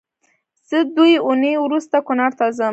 زه دوې اونۍ روسته کونړ ته ځم